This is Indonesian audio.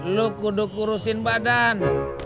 lo kuduk kurusin badan